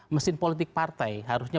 mesin politik partai harusnya